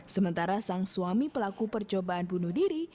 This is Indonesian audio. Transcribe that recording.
sementara sang suami pelaku percobaan bunuh diri